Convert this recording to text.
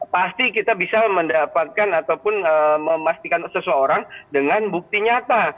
pasti kita bisa mendapatkan ataupun memastikan seseorang dengan bukti nyata